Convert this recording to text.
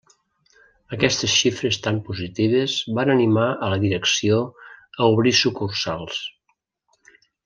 Aquestes xifres tan positives van animar a la direcció a obrir sucursals.